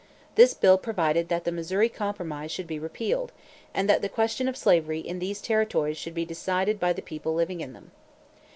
This bill provided that the Missouri Compromise should be repealed, and that the question of slavery in these territories should be decided by the people living in them.